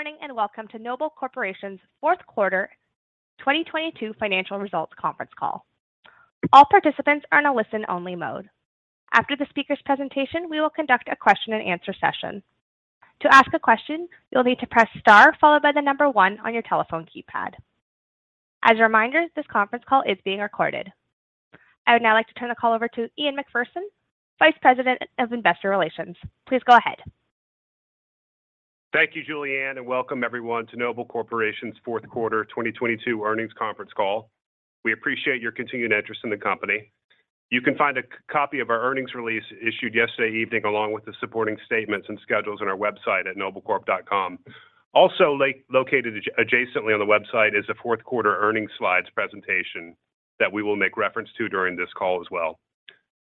Good morning. Welcome to Noble Corporation's Fourth Quarter 2022 Financial Results Conference Call. All participants are in a listen-only mode. After the speaker's presentation, we will conduct a question-and-answer session. To ask a question, you'll need to press star followed by the number one on your telephone keypad. As a reminder, this conference call is being recorded. I would now like to turn the call over to Ian Macpherson, Vice President of Investor Relations. Please go ahead. Thank you, Julianne, Welcome everyone to Noble Corporation's Fourth Quarter 2022 Earnings Conference Call. We appreciate your continued interest in the company. You can find a copy of our earnings release issued yesterday evening, along with the supporting statements and schedules on our website at noblecorp.com. Located adjacently on the website is a fourth quarter earnings slides presentation that we will make reference to during this call as well.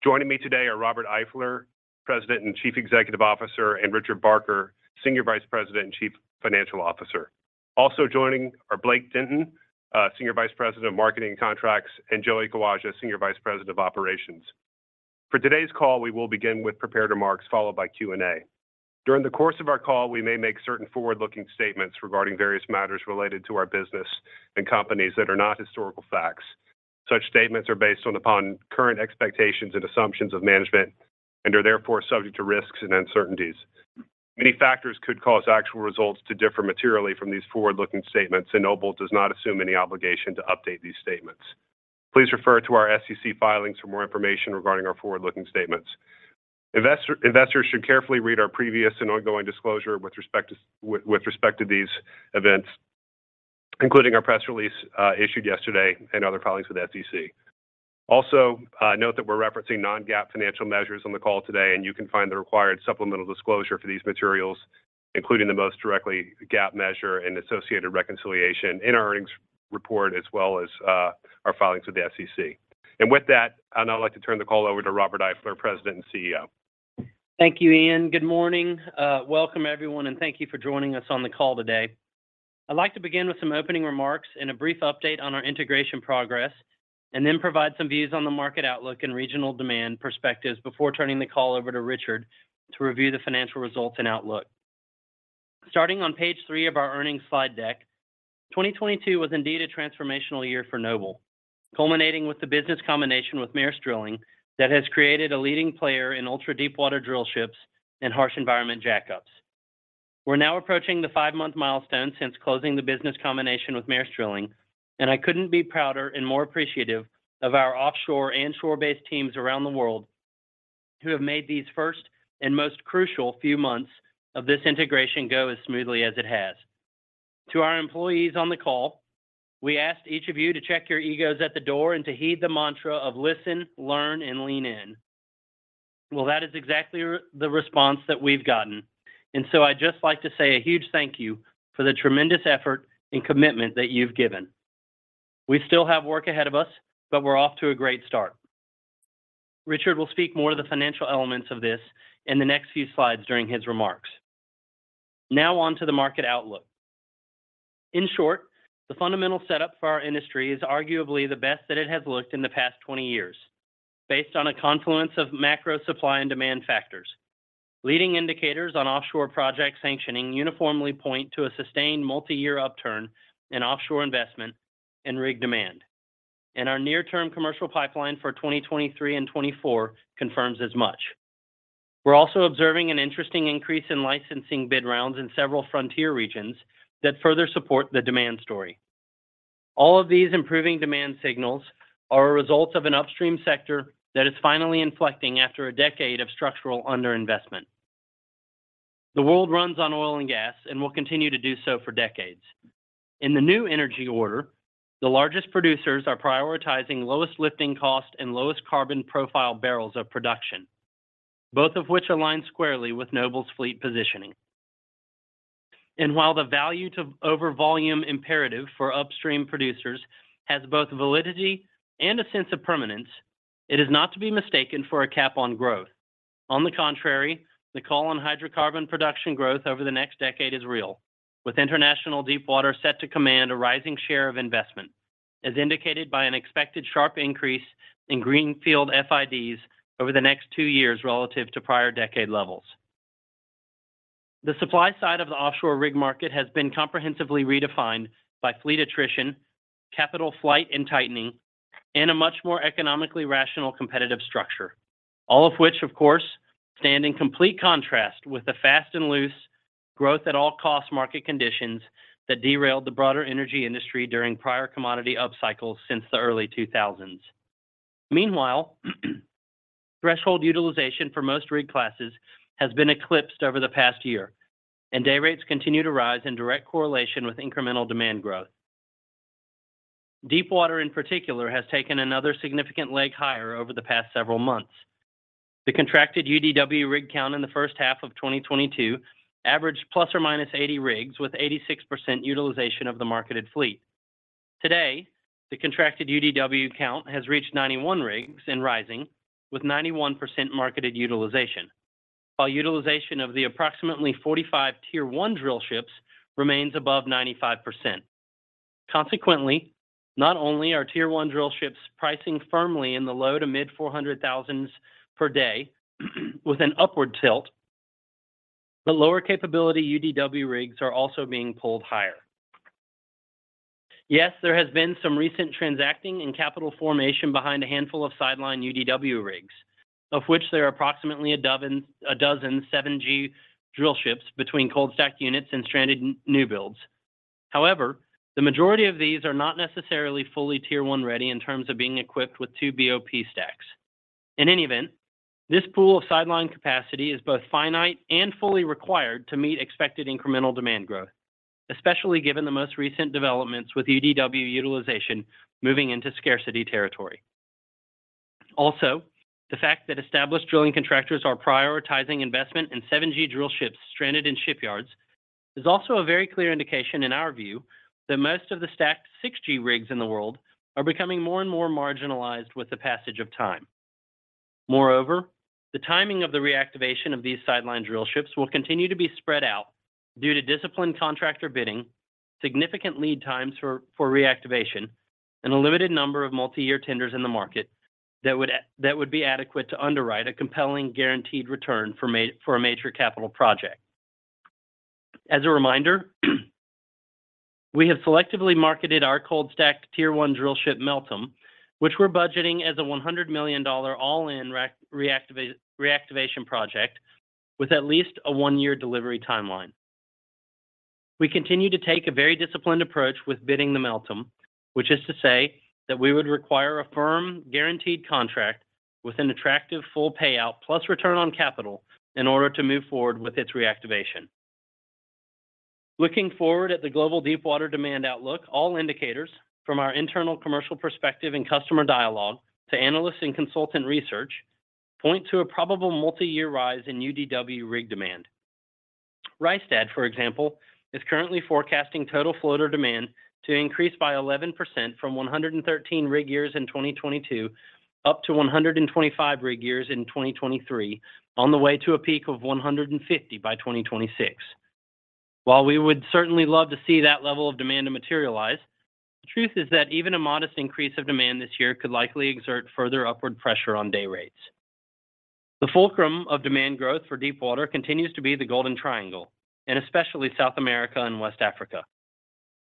Joining me today are Robert Eifler, President and Chief Executive Officer, and Richard Barker, Senior Vice President and Chief Financial Officer. Joining are Blake Denton, Senior Vice President of Marketing Contracts, and Joey Kawaja, Senior Vice President of Operations. For today's call, we will begin with prepared remarks followed by Q&A. During the course of our call, we may make certain forward-looking statements regarding various matters related to our business and companies that are not historical facts. Such statements are based upon current expectations and assumptions of management and are therefore subject to risks and uncertainties. Many factors could cause actual results to differ materially from these forward-looking statements. Noble does not assume any obligation to update these statements. Please refer to our SEC filings for more information regarding our forward-looking statements. Investors should carefully read our previous and ongoing disclosure with respect to these events, including our press release issued yesterday and other filings with SEC. Also, note that we're referencing non-GAAP financial measures on the call today, and you can find the required supplemental disclosure for these materials, including the most directly GAAP measure and associated reconciliation in our earnings report, as well as, our filings with the SEC. With that, I'd now like to turn the call over to Robert Eifler, President and CEO. Thank you, Ian. Good morning. Welcome everyone, thank you for joining us on the call today. I'd like to begin with some opening remarks and a brief update on our integration progress, then provide some views on the market outlook and regional demand perspectives before turning the call over to Richard to review the financial results and outlook. Starting on page three of our earnings slide deck, 2022 was indeed a transformational year for Noble, culminating with the business combination with Maersk Drilling that has created a leading player in ultra-deepwater drillships and harsh environment jackups. We're now approaching the five-month milestone since closing the business combination with Maersk Drilling, I couldn't be prouder and more appreciative of our offshore and shore-based teams around the world who have made these first and most crucial few months of this integration go as smoothly as it has. To our employees on the call, we asked each of you to check your egos at the door and to heed the mantra of listen, learn, and lean in. That is exactly the response that we've gotten. I'd just like to say a huge thank you for the tremendous effort and commitment that you've given. We still have work ahead of us, but we're off to a great start. Richard will speak more of the financial elements of this in the next few slides during his remarks. On to the market outlook. In short, the fundamental setup for our industry is arguably the best that it has looked in the past 20 years based on a confluence of macro supply and demand factors. Leading indicators on offshore project sanctioning uniformly point to a sustained multi-year upturn in offshore investment and rig demand. Our near-term commercial pipeline for 2023 and 2024 confirms as much. We're also observing an interesting increase in licensing bid rounds in several frontier regions that further support the demand story. All of these improving demand signals are a result of an upstream sector that is finally inflecting after a decade of structural underinvestment. The world runs on oil and gas and will continue to do so for decades. In the new energy order, the largest producers are prioritizing lowest lifting cost and lowest carbon profile barrels of production, both of which align squarely with Noble's fleet positioning. While the value to over volume imperative for upstream producers has both validity and a sense of permanence, it is not to be mistaken for a cap on growth. On the contrary, the call on hydrocarbon production growth over the next decade is real, with international deepwater set to command a rising share of investment, as indicated by an expected sharp increase in greenfield FIDs over the next two years relative to prior decade levels. The supply side of the offshore rig market has been comprehensively redefined by fleet attrition, capital flight and tightening, and a much more economically rational competitive structure, all of which, of course, stand in complete contrast with the fast and loose growth at all costs market conditions that derailed the broader energy industry during prior commodity upcycles since the early 2000s. Meanwhile, threshold utilization for most rig classes has been eclipsed over the past year, and day rates continue to rise in direct correlation with incremental demand growth. Deepwater, in particular, has taken another significant leg higher over the past several months. The contracted UDW rig count in the first half of 2022 averaged ±80 rigs with 86% utilization of the marketed fleet. Today, the contracted UDW count has reached 91 rigs and rising, with 91% marketed utilization. While utilization of the approximately 45 Tier 1 drillships remains above 95%. Consequently, not only are Tier 1 drillships pricing firmly in the low to mid $400,000s per day with an upward tilt, but lower capability UDW rigs are also being pulled higher. Yes, there has been some recent transacting and capital formation behind a handful of sideline UDW rigs, of which there are approximately a dozen 7G drillships between cold stacked units and stranded new builds. However, the majority of these are not necessarily fully Tier 1 ready in terms of being equipped with two BOP stacks. In any event, this pool of sideline capacity is both finite and fully required to meet expected incremental demand growth, especially given the most recent developments with UDW utilization moving into scarcity territory. The fact that established drilling contractors are prioritizing investment in 7G drillships stranded in shipyards is also a very clear indication, in our view, that most of the stacked 6G rigs in the world are becoming more and more marginalized with the passage of time. The timing of the reactivation of these sidelined drillships will continue to be spread out due to disciplined contractor bidding, significant lead times for reactivation, and a limited number of multi-year tenders in the market that would be adequate to underwrite a compelling guaranteed return for a major capital project. As a reminder, we have selectively marketed our cold stacked Tier 1 drillship, Meltem, which we're budgeting as a $100 million all-in reactivation project with at least a one-year delivery timeline. We continue to take a very disciplined approach with bidding the Meltem, which is to say that we would require a firm guaranteed contract with an attractive full payout plus return on capital in order to move forward with its reactivation. Looking forward at the global deepwater demand outlook, all indicators from our internal commercial perspective and customer dialogue to analyst and consultant research point to a probable multi-year rise in UDW rig demand. Rystad, for example, is currently forecasting total floater demand to increase by 11% from 113 rig years in 2022 up to 125 rig years in 2023 on the way to a peak of 150 by 2026. While we would certainly love to see that level of demand to materialize, the truth is that even a modest increase of demand this year could likely exert further upward pressure on day rates. The fulcrum of demand growth for Deepwater continues to be the Golden Triangle and especially South America and West Africa.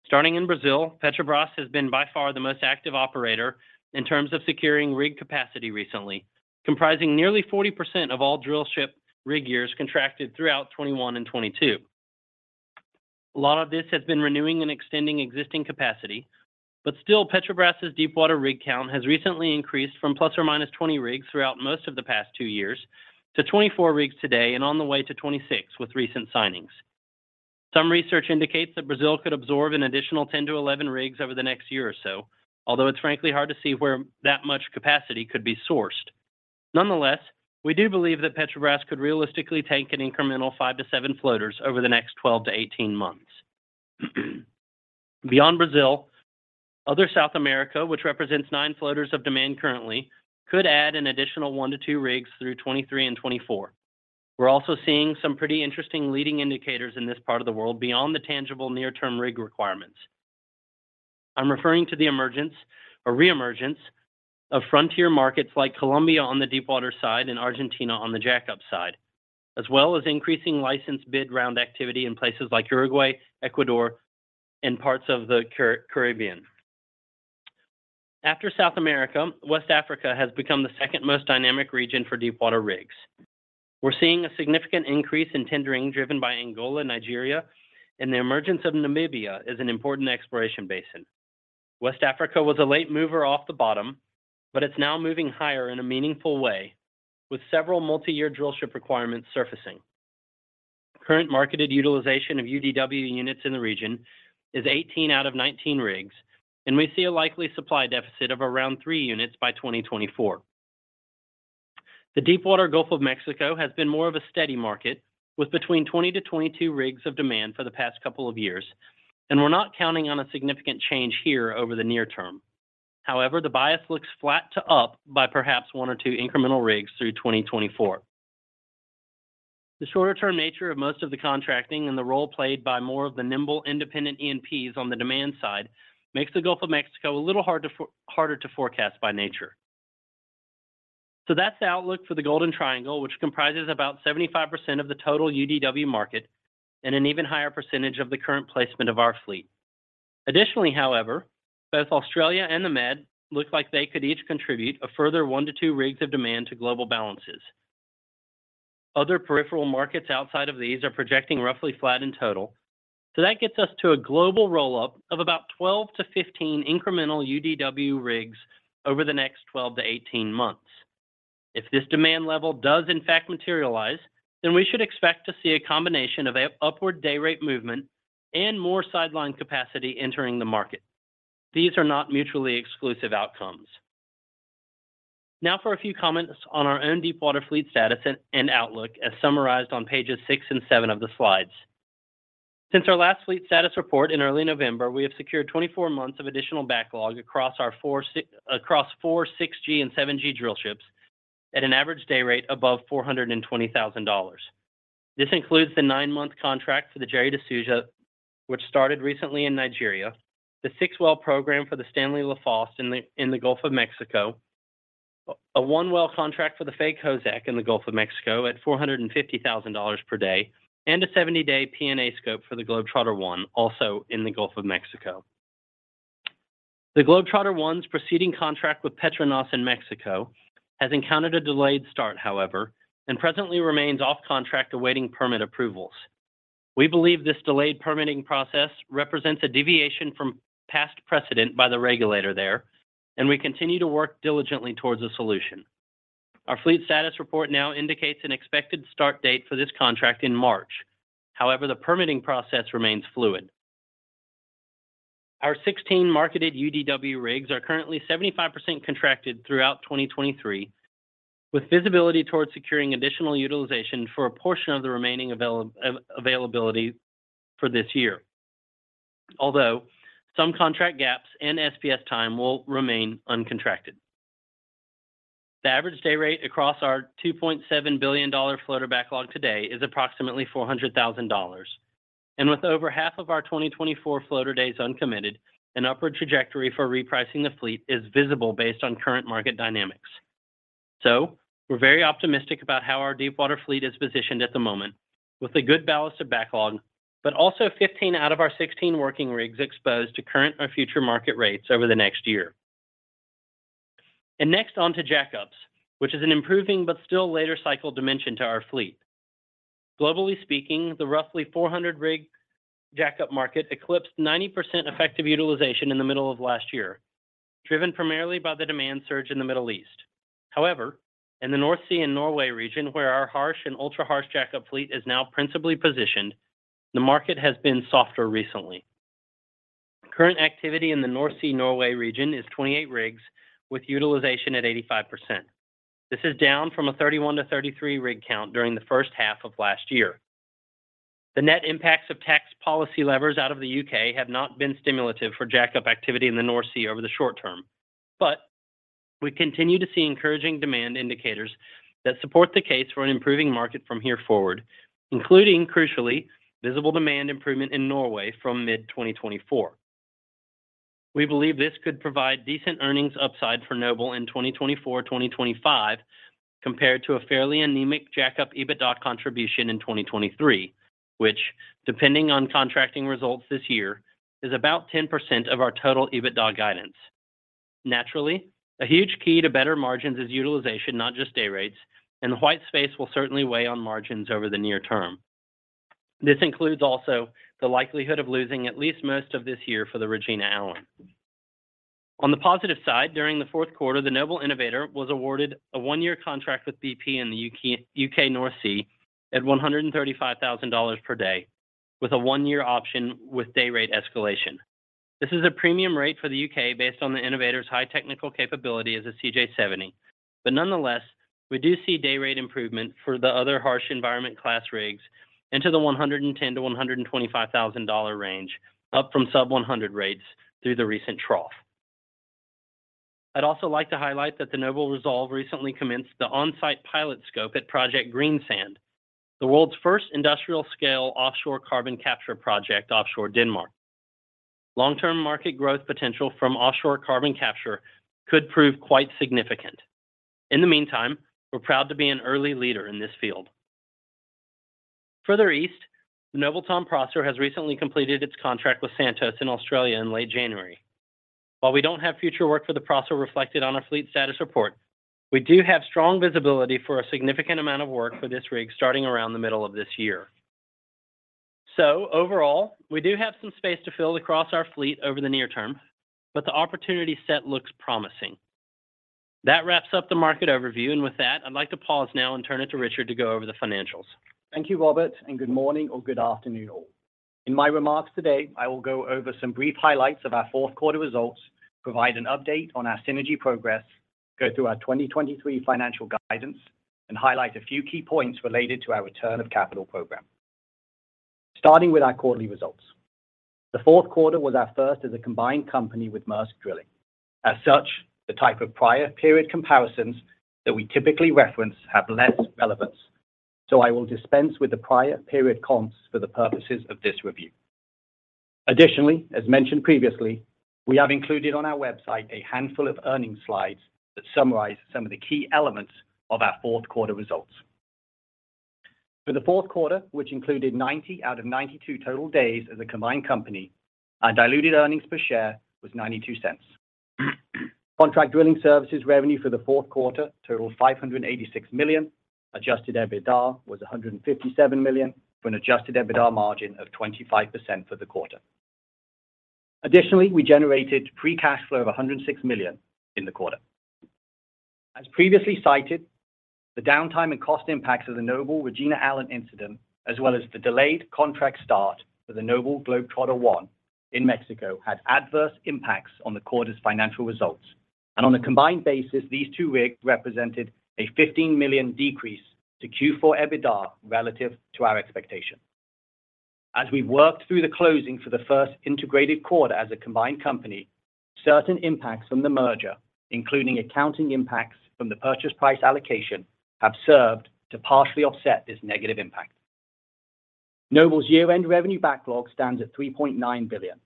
Starting in Brazil, Petrobras has been by far the most active operator in terms of securing rig capacity recently, comprising nearly 40% of all drillship rig years contracted throughout 2021 and 2022. A lot of this has been renewing and extending existing capacity, but still Petrobras's deepwater rig count has recently increased from ±20 rigs throughout most of the past two years to 24 rigs today and on the way to 26 with recent signings. Some research indicates that Brazil could absorb an additional 10-11 rigs over the next year or so, although it's frankly hard to see where that much capacity could be sourced. Nonetheless, we do believe that Petrobras could realistically take an incremental five to seven floaters over the next 12-18 months. Beyond Brazil, other South America, which represents nine floaters of demand currently, could add an additional one to two rigs through 2023 and 2024. We're also seeing some pretty interesting leading indicators in this part of the world beyond the tangible near-term rig requirements. I'm referring to the emergence or reemergence of frontier markets like Colombia on the Deepwater side and Argentina on the Jack-up side, as well as increasing license bid round activity in places like Uruguay, Ecuador, and parts of the Caribbean. After South America, West Africa has become the second most dynamic region for deepwater rigs. We're seeing a significant increase in tendering driven by Angola, Nigeria, and the emergence of Namibia as an important exploration basin. West Africa was a late mover off the bottom, but it's now moving higher in a meaningful way, with several multi-year drillship requirements surfacing. Current marketed utilization of UDW units in the region is 18 out of 19 rigs, and we see a likely supply deficit of around three units by 2024. The deepwater Gulf of Mexico has been more of a steady market with between 20-22 rigs of demand for the past couple of years. We're not counting on a significant change here over the near term. The bias looks flat to up by perhaps one or two incremental rigs through 2024. The shorter-term nature of most of the contracting and the role played by more of the nimble, independent E&Ps on the demand side makes the Gulf of Mexico a little harder to forecast by nature. That's the outlook for the Golden Triangle, which comprises about 75% of the total UDW market and an even higher percentage of the current placement of our fleet. Both Australia and the Med look like they could each contribute a further one to two rigs of demand to global balances. Other peripheral markets outside of these are projecting roughly flat in total. That gets us to a global roll-up of about 12 to 15 incremental UDW rigs over the next 12 to 18 months. If this demand level does in fact materialize, we should expect to see a combination of a upward day rate movement and more sidelined capacity entering the market. These are not mutually exclusive outcomes. For a few comments on our own deepwater fleet status and outlook as summarized on pages six and seven of the slides. Since our last fleet status report in early November, we have secured 24 months of additional backlog across four 6G and 7G drillships at an average day rate above $420,000. This includes the nine-month contract for the Noble Gerry de Souza, which started recently in Nigeria, the six-well program for the Noble Stanley Lafosse in the Gulf of Mexico, a one-well contract for the Noble Faye Kozack in the Gulf of Mexico at $450,000 per day, and a 70-day P&A scope for the Noble Globetrotter I, also in the Gulf of Mexico. The Noble Globetrotter I's preceding contract with PETRONAS in Mexico has encountered a delayed start, however, and presently remains off contract awaiting permit approvals. We believe this delayed permitting process represents a deviation from past precedent by the regulator there, and we continue to work diligently towards a solution. Our fleet status report now indicates an expected start date for this contract in March. However, the permitting process remains fluid. Our 16 marketed UDW rigs are currently 75% contracted throughout 2023, with visibility towards securing additional utilization for a portion of the remaining availability for this year. Although some contract gaps and SPS time will remain uncontracted. The average day rate across our $2.7 billion floater backlog today is approximately $400,000. With over half of our 2024 floater days uncommitted, an upward trajectory for repricing the fleet is visible based on current market dynamics. We're very optimistic about how our deepwater fleet is positioned at the moment with a good ballast of backlog, but also 15 out of our 16 working rigs exposed to current or future market rates over the next year. Next on to jack-ups, which is an improving but still later cycle dimension to our fleet. Globally speaking, the roughly 400-rig jack-up market eclipsed 90% effective utilization in the middle of last year, driven primarily by the demand surge in the Middle East. In the North Sea and Norway region, where our harsh and ultra-harsh jack-up fleet is now principally positioned, the market has been softer recently. Current activity in the North Sea, Norway region is 28 rigs with utilization at 85%. This is down from a 31-33 rig count during the first half of last year. The net impacts of tax policy levers out of the U.K. have not been stimulative for jack-up activity in the North Sea over the short term. We continue to see encouraging demand indicators that support the case for an improving market from here forward, including, crucially, visible demand improvement in Norway from mid-2024. We believe this could provide decent earnings upside for Noble in 2024, 2025 compared to a fairly anemic jack-up EBITDA contribution in 2023, which, depending on contracting results this year, is about 10% of our total EBITDA guidance. Naturally, a huge key to better margins is utilization, not just day rates, and the white space will certainly weigh on margins over the near term. This includes also the likelihood of losing at least most of this year for the Regina Allen. On the positive side, during the fourth quarter, the Noble Innovator was awarded a one-year contract with BP in the U.K., U.K. North Sea at $135,000 per day with a one-year option with day rate escalation. This is a premium rate for the U.K. based on the Innovator's high technical capability as a CJ70. Nonetheless, we do see day rate improvement for the other harsh environment class rigs into the $110,000-$125,000 range, up from sub $100,000 rates through the recent trough. I'd also like to highlight that the Noble Resolve recently commenced the on-site pilot scope at Project Greensand, the world's first industrial-scale offshore carbon capture project offshore Denmark. Long-term market growth potential from offshore carbon capture could prove quite significant. In the meantime, we're proud to be an early leader in this field. Further east, the Noble Tom Prosser has recently completed its contract with Santos in Australia in late January. While we don't have future work for the Prosser reflected on our fleet status report, we do have strong visibility for a significant amount of work for this rig starting around the middle of this year. Overall, we do have some space to fill across our fleet over the near term, but the opportunity set looks promising. That wraps up the market overview and with that, I'd like to pause now and turn it to Richard to go over the financials. Thank you, Robert. Good morning or good afternoon all. In my remarks today, I will go over some brief highlights of our fourth quarter results, provide an update on our synergy progress, go through our 2023 financial guidance, and highlight a few key points related to our return of capital program. Starting with our quarterly results. The fourth quarter was our first as a combined company with Maersk Drilling. As such, the type of prior period comparisons that we typically reference have less relevance, so I will dispense with the prior period comps for the purposes of this review. Additionally, as mentioned previously, we have included on our website a handful of earnings slides that summarize some of the key elements of our fourth quarter results. For the fourth quarter, which included 90 out of 92 total days as a combined company, our diluted earnings per share was $0.92. Contract drilling services revenue for the fourth quarter totaled $586 million. Adjusted EBITDA was $157 million, with an Adjusted EBITDA margin of 25% for the quarter. We generated free cash flow of $106 million in the quarter. As previously cited, the downtime and cost impacts of the Noble Regina Allen incident, as well as the delayed contract start for the Noble Globetrotter I in Mexico, had adverse impacts on the quarter's financial results. On a combined basis, these two rigs represented a $15 million decrease to Q4 EBITDA relative to our expectations. As we worked through the closing for the first integrated quarter as a combined company, certain impacts from the merger, including accounting impacts from the purchase price allocation, have served to partially offset this negative impact. Noble's year-end revenue backlog stands at $3.9 billion.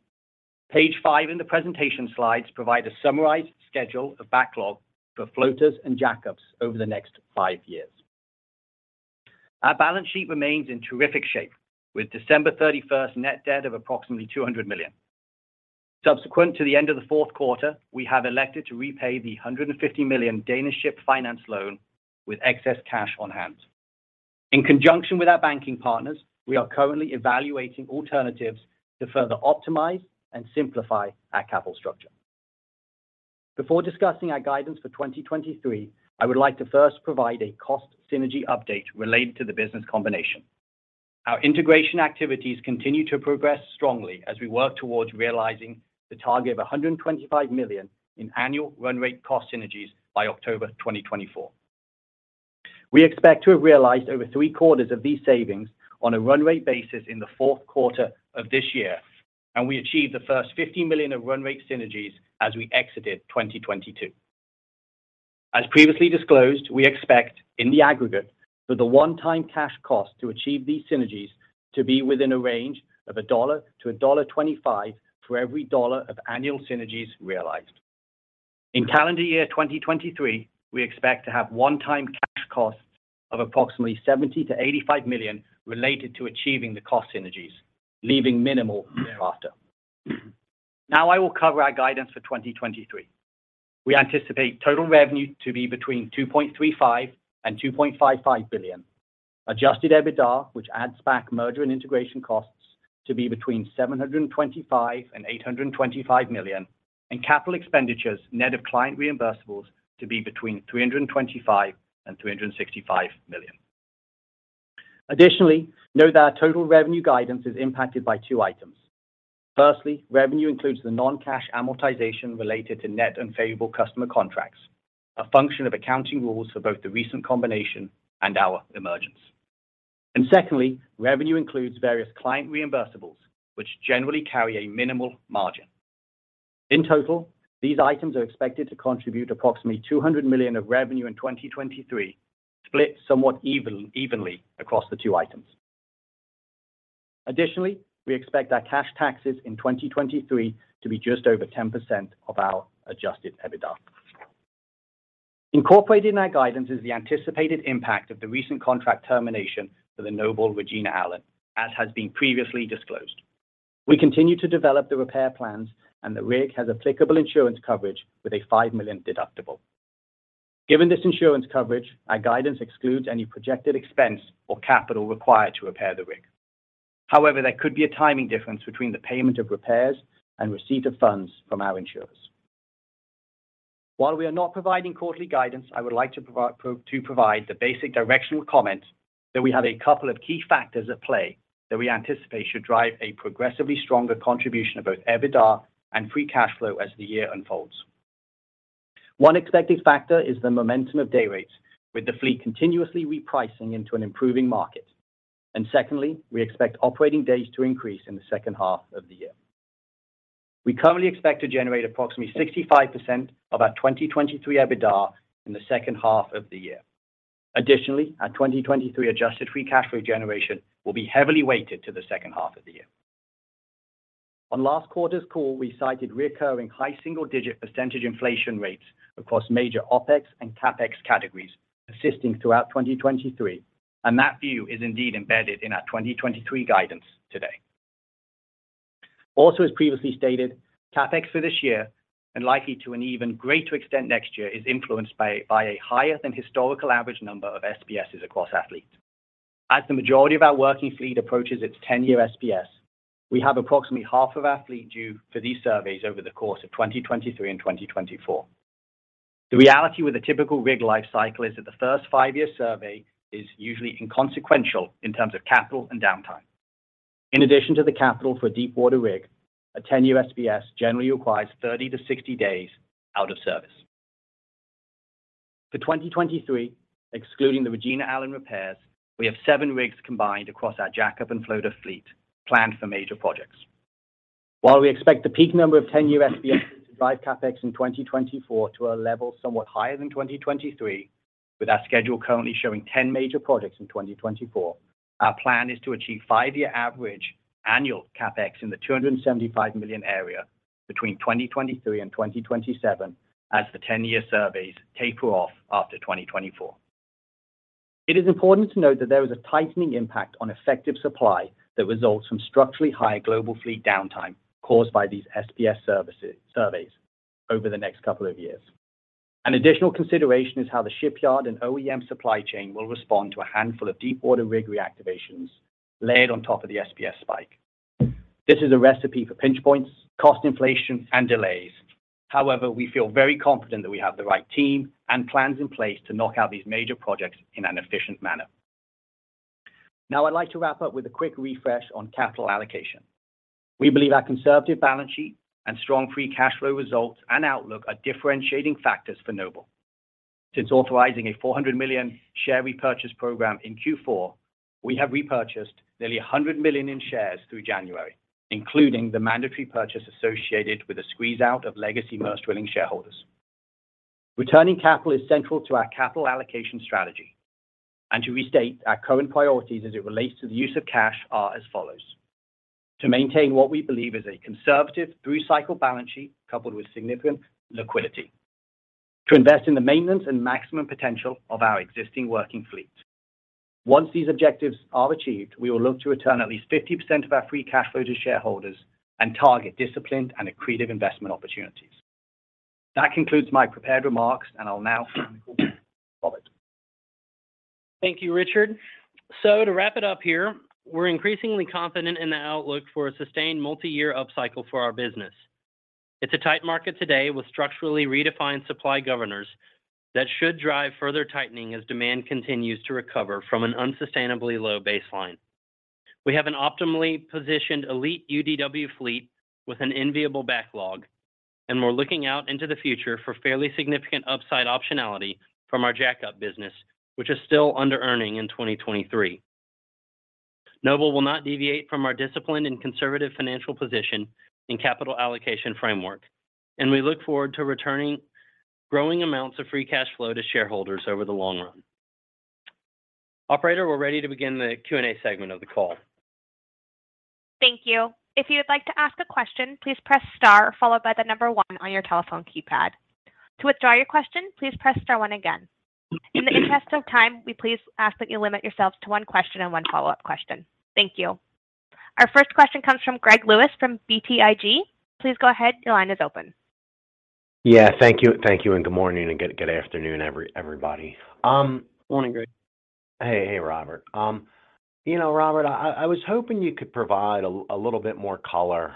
Page five in the presentation slides provide a summarized schedule of backlog for floaters and jack-ups over the next five years. Our balance sheet remains in terrific shape with December 31st net debt of approximately $200 million. Subsequent to the end of the fourth quarter, we have elected to repay the 150 million Danish Ship Finance loan with excess cash on hand. In conjunction with our banking partners, we are currently evaluating alternatives to further optimize and simplify our capital structure. Before discussing our guidance for 2023, I would like to first provide a cost synergy update related to the business combination. Our integration activities continue to progress strongly as we work towards realizing the target of $125 million in annual run rate cost synergies by October 2024. We expect to have realized over 3/4 of these savings on a run rate basis in the fourth quarter of this year, and we achieved the first $50 million of run rate synergies as we exited 2022. As previously disclosed, we expect in the aggregate for the one-time cash cost to achieve these synergies to be within a range of $1-$1.25 for every dollar of annual synergies realized. In calendar year 2023, we expect to have one-time cash costs of approximately $70 million-$85 million related to achieving the cost synergies, leaving minimal thereafter. I will cover our guidance for 2023. We anticipate total revenue to be between $2.35 billion and $2.55 billion. Adjusted EBITDA, which adds back merger and integration costs, to be between $725 million and $825 million, and capital expenditures net of client reimbursables to be between $325 million and $365 million. Note that our total revenue guidance is impacted by two items. Revenue includes the non-cash amortization related to net and favorable customer contracts, a function of accounting rules for both the recent combination and our emergence. Secondly, revenue includes various client reimbursables, which generally carry a minimal margin. In total, these items are expected to contribute approximately $200 million of revenue in 2023, split somewhat evenly across the two items. We expect our cash taxes in 2023 to be just over 10% of our adjusted EBITDA. Incorporated in our guidance is the anticipated impact of the recent contract termination for the Noble Regina Allen, as has been previously disclosed. We continue to develop the repair plans, and the rig has applicable insurance coverage with a $5 million deductible. Given this insurance coverage, our guidance excludes any projected expense or capital required to repair the rig. There could be a timing difference between the payment of repairs and receipt of funds from our insurers. While we are not providing quarterly guidance, I would like to provide the basic directional comment that we have a couple of key factors at play that we anticipate should drive a progressively stronger contribution of both EBITDA and free cash flow as the year unfolds. One expected factor is the momentum of day rates, with the fleet continuously repricing into an improving market. Secondly, we expect operating days to increase in the second half of the year. We currently expect to generate approximately 65% of our 2023 EBITDA in the second half of the year. Additionally, our 2023 adjusted free cash flow generation will be heavily weighted to the second half of the year. On last quarter's call, we cited reoccurring high single-digit % inflation rates across major OpEx and CapEx categories persisting throughout 2023, and that view is indeed embedded in our 2023 guidance today. Also, as previously stated, CapEx for this year, and likely to an even greater extent next year, is influenced by a higher than historical average number of SPS's across athletes. As the majority of our working fleet approaches its 10-year SPS, we have approximately half of our fleet due for these surveys over the course of 2023 and 2024. The reality with a typical rig life cycle is that the first 5-year survey is usually inconsequential in terms of capital and downtime. In addition to the capital for deepwater rig, a 10-year SPS generally requires 30-60 days out of service. For 2023, excluding the Regina Allen repairs, we have seven rigs combined across our jack-up and floater fleet planned for major projects. While we expect the peak number of 10-year SPS to drive CapEx in 2024 to a level somewhat higher than 2023, with our schedule currently showing 10 major projects in 2024, our plan is to achieve five-year average annual CapEx in the $275 million area between 2023 and 2027 as the 10-year surveys taper off after 2024. It is important to note that there is a tightening impact on effective supply that results from structurally higher global fleet downtime caused by these SPS surveys over the next couple of years. An additional consideration is how the shipyard and OEM supply chain will respond to a handful of deepwater rig reactivations laid on top of the SPS spike. This is a recipe for pinch points, cost inflation, and delays. However, we feel very confident that we have the right team and plans in place to knock out these major projects in an efficient manner. Now, I'd like to wrap up with a quick refresh on capital allocation. We believe our conservative balance sheet and strong free cash flow results and outlook are differentiating factors for Noble. Since authorizing a $400 million share repurchase program in Q4, we have repurchased nearly $100 million in shares through January, including the mandatory purchase associated with a squeeze out of legacy Maersk Drilling shareholders. Returning capital is central to our capital allocation strategy. To restate, our current priorities as it relates to the use of cash are as follows. To maintain what we believe is a conservative through cycle balance sheet coupled with significant liquidity. To invest in the maintenance and maximum potential of our existing working fleet. Once these objectives are achieved, we will look to return at least 50% of our free cash flow to shareholders and target disciplined and accretive investment opportunities. That concludes my prepared remarks, and I'll now turn the call over to Robert. Thank you, Richard. To wrap it up here, we're increasingly confident in the outlook for a sustained multi-year upcycle for our business. It's a tight market today with structurally redefined supply governors that should drive further tightening as demand continues to recover from an unsustainably low baseline. We have an optimally positioned elite UDW fleet with an enviable backlog, and we're looking out into the future for fairly significant upside optionality from our jackup business, which is still under-earning in 2023. Noble will not deviate from our disciplined and conservative financial position and capital allocation framework, and we look forward to returning growing amounts of free cash flow to shareholders over the long run. Operator, we're ready to begin the Q&A segment of the call. Thank you. If you would like to ask a question, please press star followed by the number one on your telephone keypad. To withdraw your question, please press star one again. In the interest of time, we please ask that you limit yourselves to one question and one follow-up question. Thank you. Our first question comes from Greg Lewis from BTIG. Please go ahead. Your line is open. Yeah. Thank you. Thank you, and good morning, and good afternoon, everybody. Morning, Greg. Hey. Hey, Robert. You know, Robert, I was hoping you could provide a little bit more color.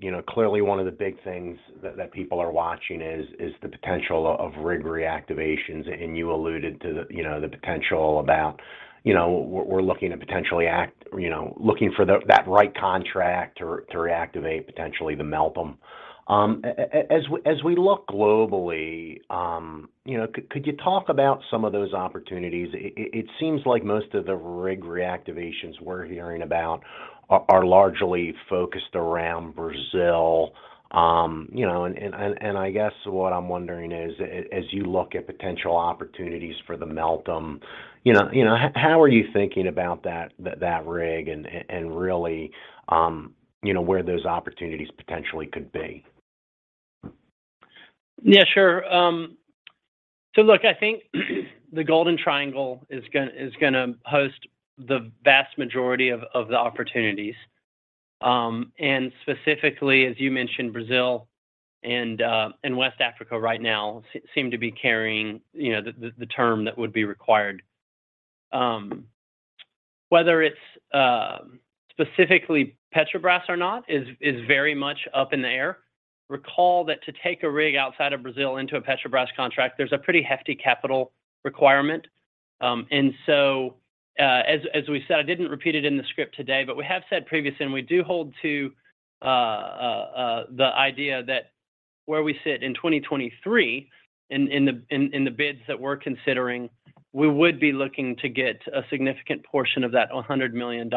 You know, clearly one of the big things that people are watching is the potential of rig reactivations, and you alluded to the, you know, the potential about, you know, we're looking to potentially, you know, looking for the right contract to reactivate potentially the Noble Meltem. As we look globally, you know, could you talk about some of those opportunities? It seems like most of the rig reactivations we're hearing about are largely focused around Brazil. You know, I guess what I'm wondering is, as you look at potential opportunities for the Noble Meltem, you know, how are you thinking about that rig and really, you know, where those opportunities potentially could be? Sure. Look, I think the Golden Triangle is gonna host the vast majority of the opportunities. Specifically, as you mentioned, Brazil and West Africa right now seem to be carrying, you know, the term that would be required. Whether it's specifically Petrobras or not is very much up in the air. Recall that to take a rig outside of Brazil into a Petrobras contract, there's a pretty hefty capital requirement. As we said, I didn't repeat it in the script today, but we have said previously, and we do hold to the idea that where we sit in 2023 in the bids that we're considering, we would be looking to get a significant portion of that $100 million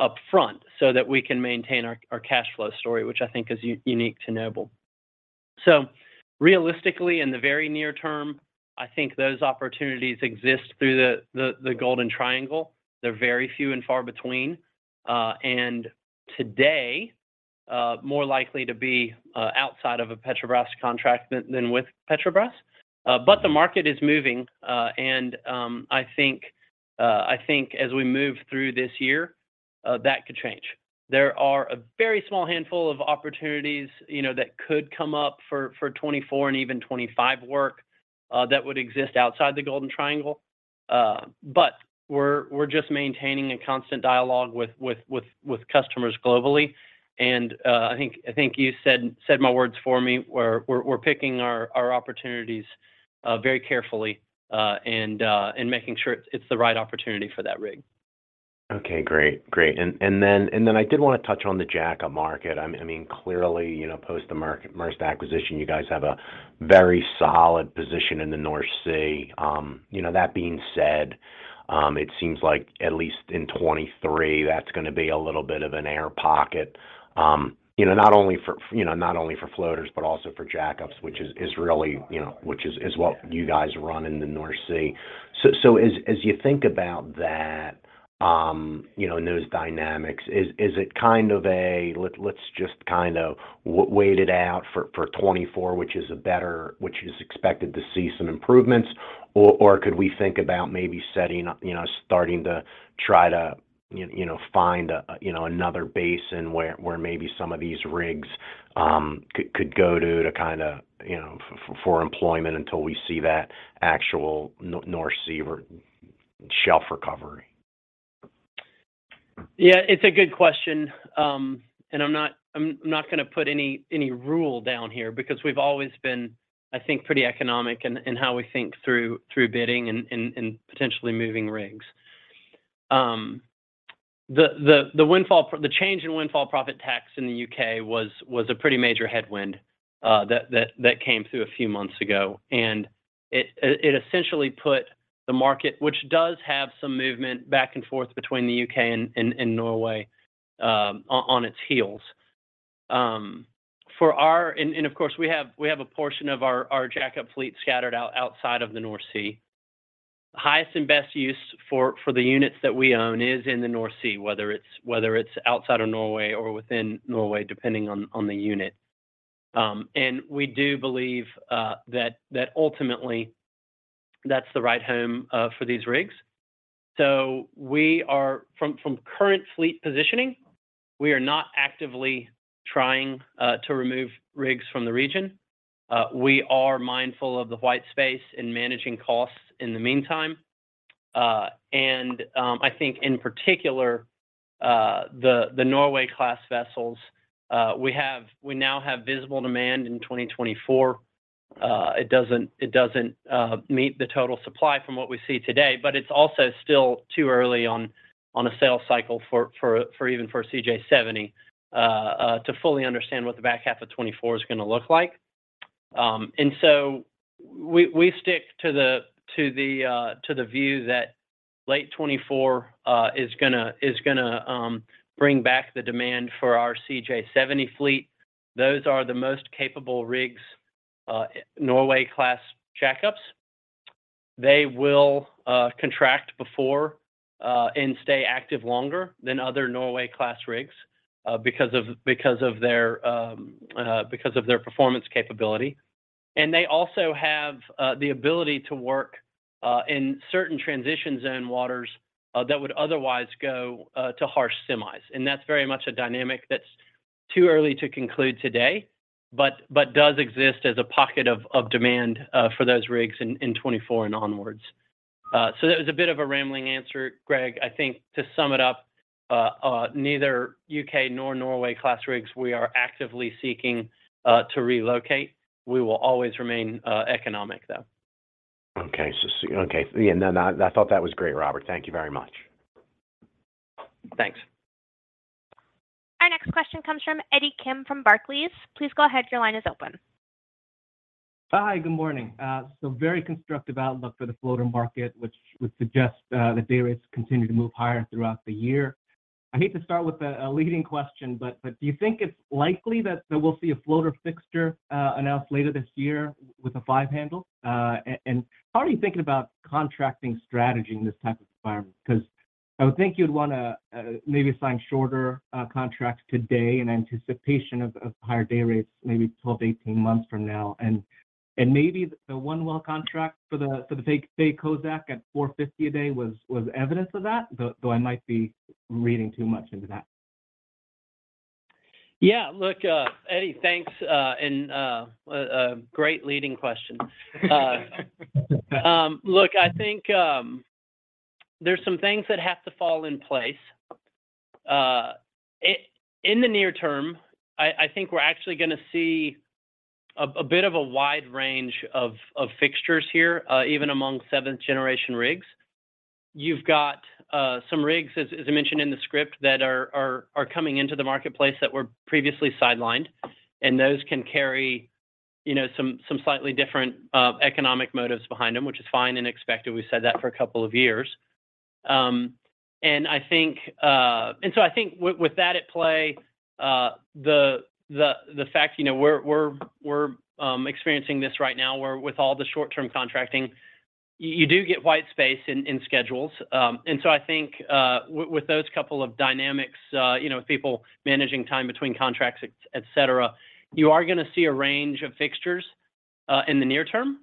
up front so that we can maintain our cash flow story, which I think is unique to Noble. Realistically, in the very near term, I think those opportunities exist through the Golden Triangle. They're very few and far between, and today, more likely to be outside of a Petrobras contract than with Petrobras. The market is moving, and I think as we move through this year, that could change. There are a very small handful of opportunities, you know, that could come up for 2024 and even 2025 work that would exist outside the Golden Triangle. We're just maintaining a constant dialogue with customers globally. I think you said my words for me. We're picking our opportunities very carefully, and making sure it's the right opportunity for that rig. Okay, great. Great. I did wanna touch on the jackup market. I mean, clearly, you know, post the Maersk acquisition, you guys have a very solid position in the North Sea. You know, that being said, it seems like at least in 2023, that's gonna be a little bit of an air pocket, you know, not only for, you know, not only for floaters, but also for jackups, which is really, you know, what you guys run in the North Sea. As you think about that, you know, and those dynamics, is it kind of a let's just kind of wait it out for 2024, which is expected to see some improvements? Could we think about maybe setting up, you know, starting to try to you know, find a, you know, another basin where maybe some of these rigs could go to kinda, you know, for employment until we see that actual North Sea shelf recovery? Yeah, it's a good question. I'm not gonna put any rule down here because we've always been, I think, pretty economic in how we think through bidding and potentially moving rigs. The change in windfall profit tax in the U.K. was a pretty major headwind that came through a few months ago. It essentially put the market, which does have some movement back and forth between the U.K. and Norway, on its heels. For our... Of course we have a portion of our jackup fleet scattered out outside of the North Sea. The highest and best use for the units that we own is in the North Sea, whether it's outside of Norway or within Norway, depending on the unit. We do believe that ultimately that's the right home for these rigs. From current fleet positioning, we are not actively trying to remove rigs from the region. We are mindful of the white space and managing costs in the meantime. I think in particular the Norway-class vessels, we now have visible demand in 2024. It doesn't meet the total supply from what we see today, but it's also still too early on a sales cycle for even for a CJ70 to fully understand what the back half of 2024 is going to look like. We stick to the view that late 2024 is going to bring back the demand for our CJ70 fleet. Those are the most capable rigs, Norway-class jackups. They will contract before and stay active longer than other Norway-class rigs because of their performance capability. They also have the ability to work in certain transition zone waters that would otherwise go to harsh semis. That's very much a dynamic that's too early to conclude today, but does exist as a pocket of demand for those rigs in 2024 and onwards. That was a bit of a rambling answer, Greg, I think to sum it up, neither U.K. nor Norway-class rigs we are actively seeking to relocate. We will always remain economic though. Okay. Okay. Yeah, no, I thought that was great, Robert. Thank you very much. Thanks. Our next question comes from Eddie Kim from Barclays. Please go ahead, your line is open. Hi, good morning. Very constructive outlook for the floater market, which would suggest the day rates continue to move higher throughout the year. I hate to start with a leading question, but do you think it's likely that we'll see a floater fixture announced later this year with a five handle? And how are you thinking about contracting strategy in this type of environment? Because I would think you'd wanna maybe sign shorter contracts today in anticipation of higher day rates maybe 12-18 months from now. And maybe the one well contract for the Noble Faye Kozack at $450 a day was evidence of that, though I might be reading too much into that. Yeah. Look, Eddie, thanks. A great leading question. Look, I think there's some things that have to fall in place. In the near term, I think we're actually gonna see a bit of a wide range of fixtures here, even among 7th generation rigs. You've got some rigs, as I mentioned in the script, that are coming into the marketplace that were previously sidelined, and those can carry, you know, some slightly different economic motives behind them, which is fine and expected. We've said that for a couple of years. I think... I think with that at play, the fact, you know, we're experiencing this right now where with all the short-term contracting, you do get white space in schedules. I think with those couple of dynamics, you know, people managing time between contracts, et cetera, you are gonna see a range of fixtures in the near term.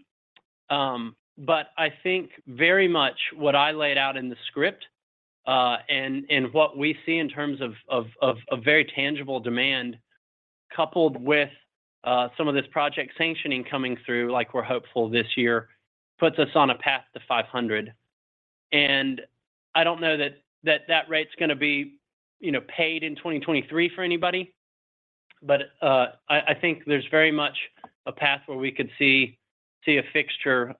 I think very much what I laid out in the script, and what we see in terms of very tangible demand coupled with some of this project sanctioning coming through, like we're hopeful this year, puts us on a path to 500. I don't know that that rate's gonna be, you know, paid in 2023 for anybody, but I think there's very much a path where we could see a fixture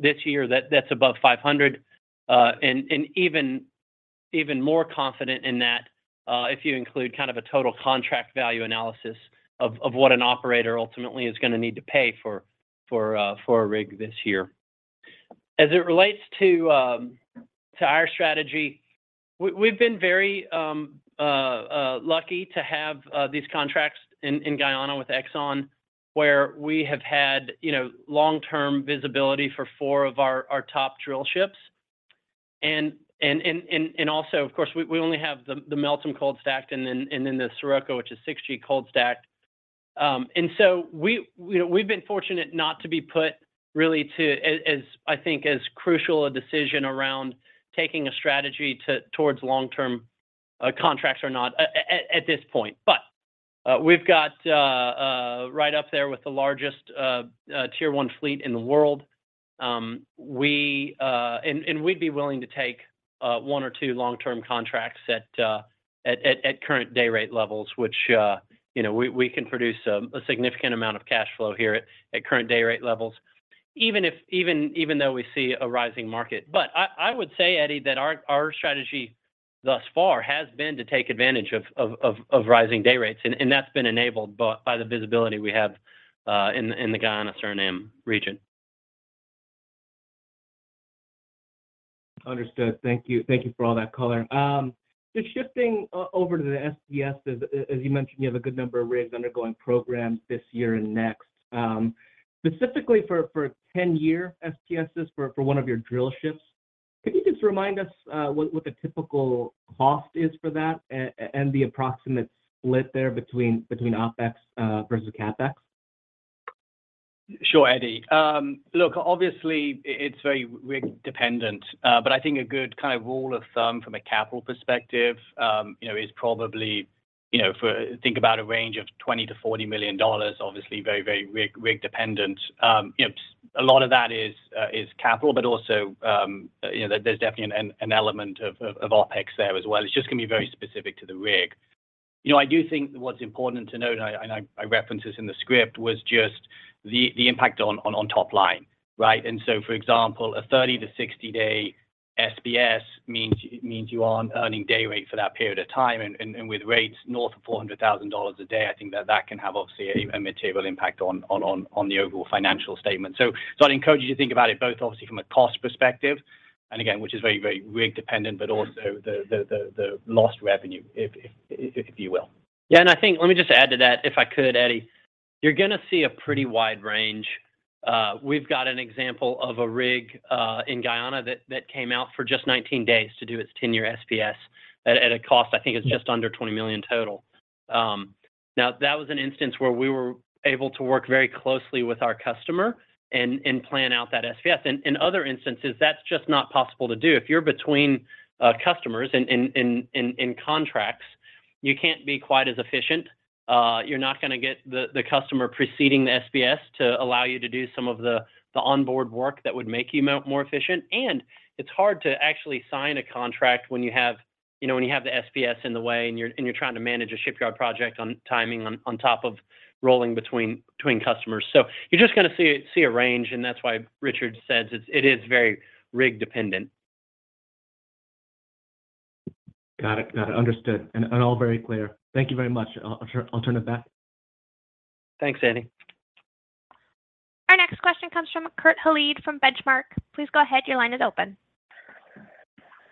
this year that's above 500. Even more confident in that if you include kind of a total contract value analysis of what an operator ultimately is gonna need to pay for a rig this year. As it relates to our strategy, we've been very lucky to have these contracts in Guyana with Exxon, where we have had, you know, long-term visibility for four of our top drillships. Also, of course, we only have the Meltem cold stacked and then the Sirocco, which is 6G cold stacked. We, you know, we've been fortunate not to be put really to as, I think, as crucial a decision around taking a strategy towards long-term contracts or not at this point. We've got right up there with the largest Tier 1 fleet in the world. We'd be willing to take one or two long-term contracts at current day rate levels, which, you know, we can produce a significant amount of cash flow here at current day rate levels, even if, even though we see a rising market. I would say, Eddie, that our strategy thus far has been to take advantage of rising day rates, and that's been enabled by the visibility we have in the Guyana-Suriname region. Understood. Thank you. Thank you for all that color. Just shifting over to the SPS is, as you mentioned, you have a good number of rigs undergoing programs this year and next. Specifically for 10-year SPSs for one of your drillships, could you just remind us what the typical cost is for that and the approximate split there between OpEx vs CapEx? Sure, Eddie. Look, obviously it's very rig-dependent, but I think a good kind of rule of thumb from a capital perspective, you know, is probably, you know, think about a range of $20 million-$40 million, obviously very rig-dependent. You know, a lot of that is capital, but also, you know, there's definitely an element of OpEx there as well. It's just gonna be very specific to the rig. You know, I do think what's important to note, I referenced this in the script, was just the impact on top line, right? For example, a 30- to 60-day SPS means you aren't earning day rate for that period of time and with rates north of $400,000 a day, I think that can have obviously a material impact on the overall financial statement. I'd encourage you to think about it both obviously from a cost perspective, and again, which is very rig-dependent, but also the lost revenue if you will. I think let me just add to that, if I could, Eddie. You're gonna see a pretty wide range. We've got an example of a rig in Guyana that came out for just 19 days to do its 10-year SPS at a cost I think is just under $20 million total. Now that was an instance where we were able to work very closely with our customer and plan out that SPS. In other instances, that's just not possible to do. If you're between customers in contracts, you can't be quite as efficient. You're not gonna get the customer preceding the SPS to allow you to do some of the onboard work that would make you more efficient. It's hard to actually sign a contract when you have, you know, when you have the SPS in the way and you're, and you're trying to manage a shipyard project on timing on top of rolling between customers. You're just gonna see a range, and that's why Richard says it is very rig-dependent. Got it. Understood. All very clear. Thank you very much. I'll turn it back. Thanks, Eddie. Our next question comes from Kurt Hallead from Benchmark. Please go ahead. Your line is open.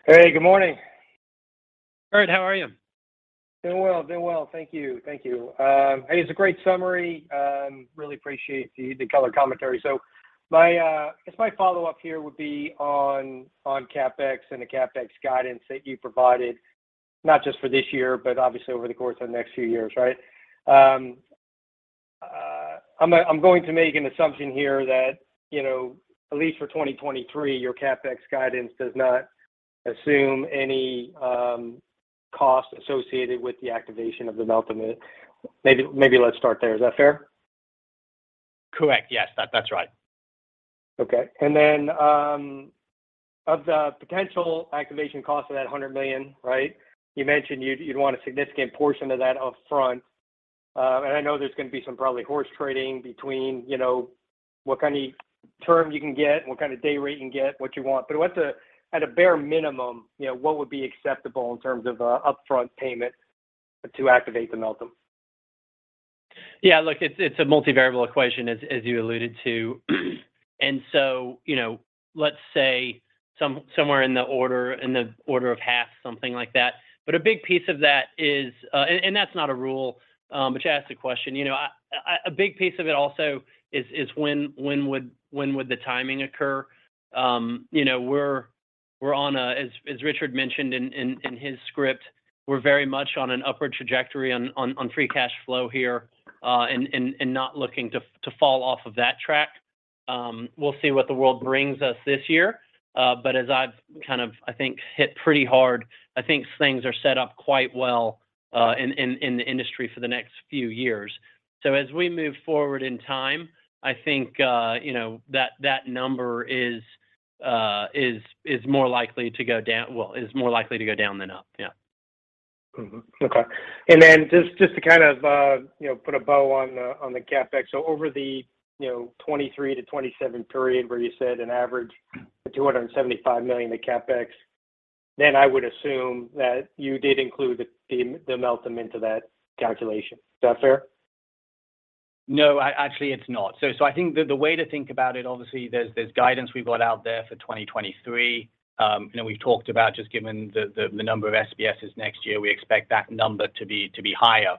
Hey, good morning. Kurt, how are you? Doing well. Thank you. Hey, it's a great summary. Really appreciate the color commentary. My, I guess my follow-up here would be on CapEx and the CapEx guidance that you provided not just for this year, but obviously over the course of the next few years, right? I'm going to make an assumption here that, you know, at least for 2023, your CapEx guidance does not assume any cost associated with the activation of the Meltem. Maybe let's start there. Is that fair? Correct. Yes. That's right. Okay. Then, of the potential activation cost of that $100 million, right? You mentioned you'd want a significant portion of that up front. I know there's gonna be some probably horse trading between, you know, what kind of terms you can get and what kind of day rate you can get, what you want. What's at a bare minimum, you know, what would be acceptable in terms of a upfront payment to activate the Meltem? Yeah. Look, it's a multivariable equation as you alluded to. You know, let's say somewhere in the order of half, something like that. A big piece of that is, and that's not a rule, but you asked the question. You know, a big piece of it also is when would the timing occur? You know, we're on a, as Richard mentioned in his script, we're very much on an upward trajectory on free cash flow here, and not looking to fall off of that track. We'll see what the world brings us this year. As I've kind of, I think, hit pretty hard, I think things are set up quite well in the industry for the next few years. As we move forward in time, I think, you know, that number is more likely to go down. Well, is more likely to go down than up. Yeah. Okay. Just to kind of, you know, put a bow on the CapEx. Over the 2023-2027 period where you said an average of $275 million in CapEx, I would assume that you did include the Meltem into that calculation. Is that fair? No, actually it's not. I think the way to think about it, obviously there's guidance we've got out there for 2023. you know, we've talked about just given the number of SPSs next year, we expect that number to be higher.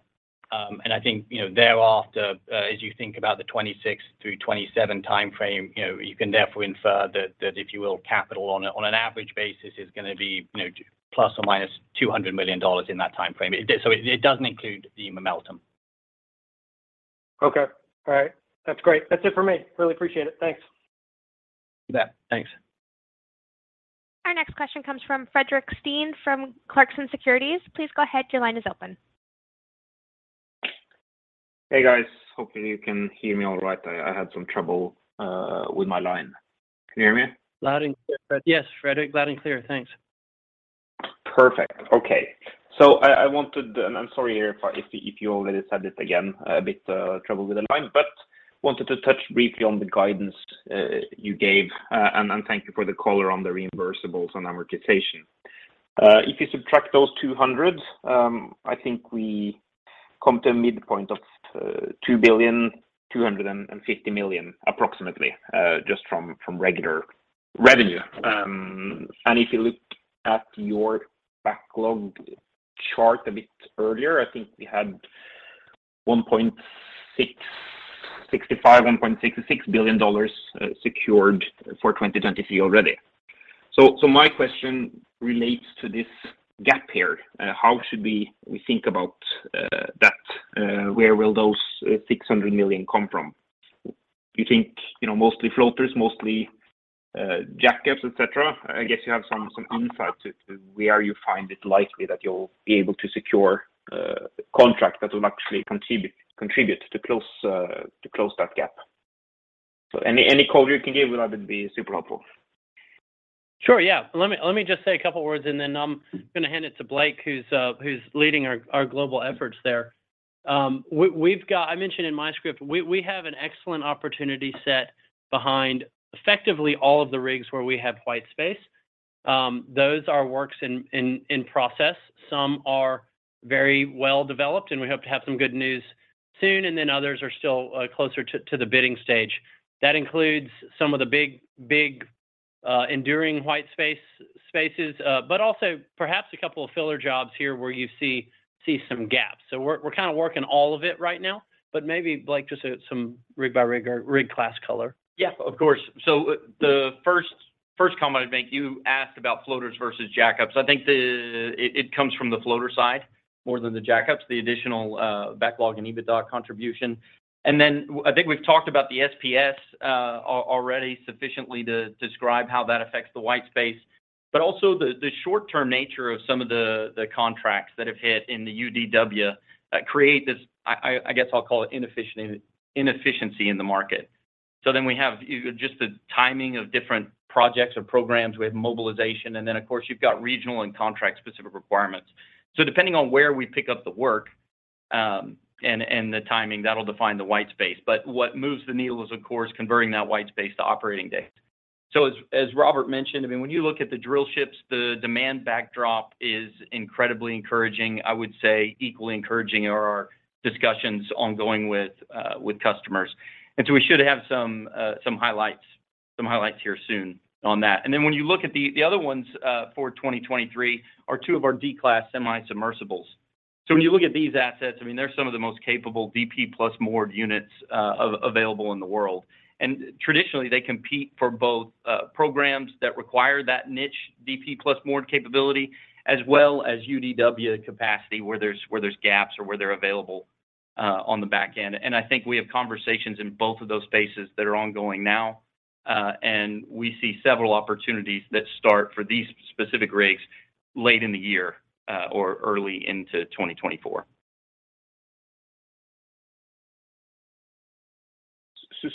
I think, you know, thereafter, as you think about the 2026 through 2027 timeframe, you know, you can therefore infer that if you will, capital on an average basis is gonna be, you know, ±$200 million in that timeframe. It doesn't include the Meltem. Okay. All right. That's great. That's it for me. Really appreciate it. Thanks. You bet. Thanks. Our next question comes from Fredrik Stene from Clarksons Securities. Please go ahead. Your line is open. Hey, guys. Hopefully you can hear me all right. I had some trouble with my line. Can you hear me? Loud and clear, Fred. Yes, Fredrik, loud and clear. Thanks. Perfect. Okay. I wanted, and I'm sorry if you already said it again, a bit, trouble with the line, wanted to touch briefly on the guidance you gave, and thank you for the color on the reimbursables on amortization. If you subtract those 200, I think we come to a midpoint of $2.25 billion approximately, just from regular revenue. If you look at your backlog chart a bit earlier, I think we had $1.65 billion, $1.66 billion secured for 2023 already. My question relates to this gap here. How should we think about that? Where will those $600 million come from? You think, you know, mostly floaters, mostly jackups, et cetera? I guess you have some insight to where you find it likely that you'll be able to secure contract that will actually contribute to close that gap. Any color you can give would be super helpful. Sure. Yeah. Let me just say a couple words and then I'm gonna hand it to Blake, who's leading our global efforts there. We've got. I mentioned in my script, we have an excellent opportunity set behind effectively all of the rigs where we have white space. Those are works in process. Some are very well-developed. We hope to have some good news soon. Others are still closer to the bidding stage. That includes some of the big enduring white space, spaces. Also perhaps a couple of filler jobs here where you see some gaps. We're kinda working all of it right now, but maybe Blake just some rig by rig or rig class color. Yeah, of course. The first comment I'd make, you asked about floaters vs jackups. I think it comes from the floater side more than the jackups, the additional backlog and EBITDA contribution. I think we've talked about the SPS already sufficiently to describe how that affects the white space. Also the short-term nature of some of the contracts that have hit in the UDW create this, I guess I'll call it inefficiency in the market. We have just the timing of different projects or programs with mobilization, of course you've got regional and contract specific requirements. Depending on where we pick up the work, and the timing, that'll define the white space. What moves the needle is of course converting that white space to operating days. As Robert mentioned, I mean, when you look at the drill ships, the demand backdrop is incredibly encouraging. I would say equally encouraging are our discussions ongoing with customers. We should have some highlights here soon on that. When you look at the other ones for 2023 are two of our D-Class semi-submersibles. When you look at these assets, I mean, they're some of the most capable DP+ moored units available in the world. Traditionally, they compete for both programs that require that niche DP+ moored capability, as well as UDW capacity where there's gaps or where they're available on the back end. I think we have conversations in both of those spaces that are ongoing now, and we see several opportunities that start for these specific rigs late in the year, or early into 2024.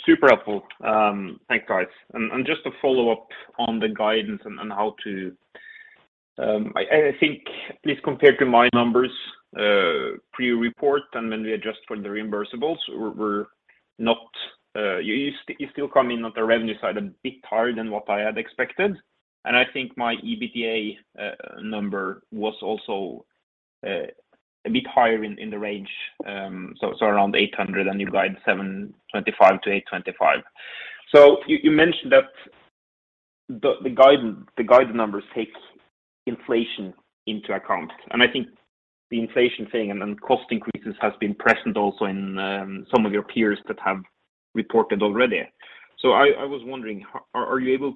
Super helpful. Thanks, guys. Just to follow up on the guidance and how to, I think at least compared to my numbers pre-report and when we adjust for the reimbursables, we're not, you still come in on the revenue side a bit higher than what I had expected. I think my EBITDA number was also a bit higher in the range, around $800 million and you guide $725 million-$825 million. You mentioned that the guidance numbers take inflation into account. I think the inflation thing and cost increases has been present also in some of your peers that have reported already. I was wondering, are you able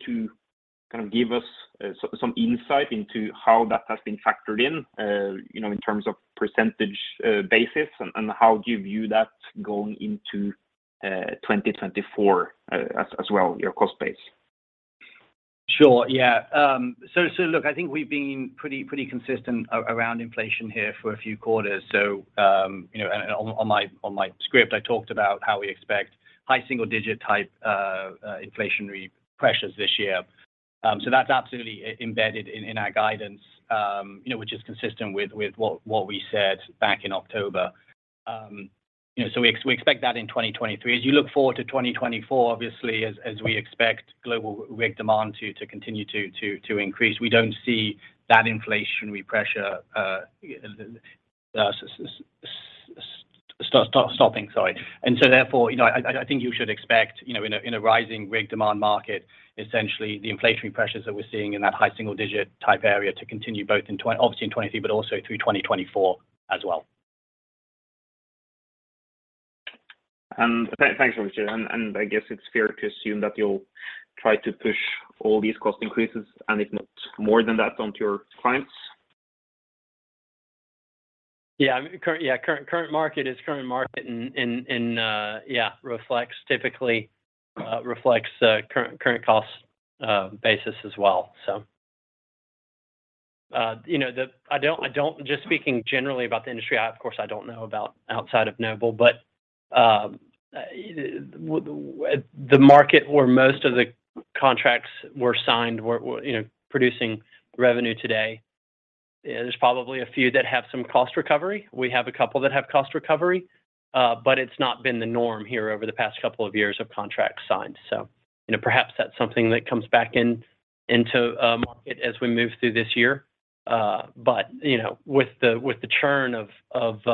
to kind of give us some insight into how that has been factored in, you know, in terms of percentage basis and how do you view that going into 2024 as well, your cost base? Sure. Yeah. look, I think we've been pretty consistent around inflation here for a few quarters. you know, and on my script I talked about how we expect high single-digit type inflationary pressures this year. that's absolutely embedded in our guidance, you know, which is consistent with what we said back in October. you know, we expect that in 2023. As you look forward to 2024, obviously as we expect global rig demand to continue to increase, we don't see that inflationary pressure stopping, sorry. Therefore, you know, I think you should expect, you know, in a rising rig demand market, essentially the inflationary pressures that we're seeing in that high single digit % type area to continue both obviously in 2023, but also through 2024 as well. Thanks, Robert, I guess it's fair to assume that you'll try to push all these cost increases and if not more than that onto your clients? Yeah, current market is current market and, yeah, reflects typically reflects current costs basis as well. You know, I don't just speaking generally about the industry, I of course I don't know about outside of Noble, but the market where most of the contracts were signed were, you know, producing revenue today, there's probably a few that have some cost recovery. We have a couple that have cost recovery, it's not been the norm here over the past couple of years of contracts signed. You know, perhaps that's something that comes back into market as we move through this year. You know, with the churn of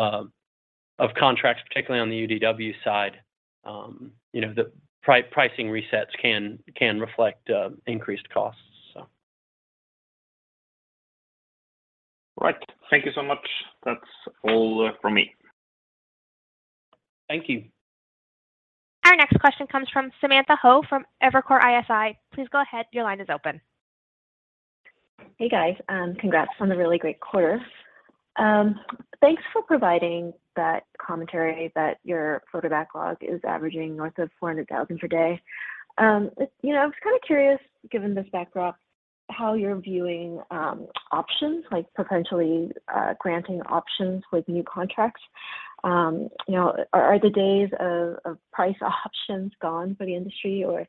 contracts, particularly on the UDW side, the pricing resets can reflect increased costs. All right. Thank you so much. That's all from me. Thank you. Our next question comes from Samantha Hoh from Evercore ISI. Please go ahead. Your line is open. Hey, guys. Congrats on the really great quarter. Thanks for providing that commentary that your floater backlog is averaging north of $400,000 per day. You know, I was kind of curious, given this backdrop, how you're viewing options, like potentially granting options with new contracts. You know, are the days of price options gone for the industry? You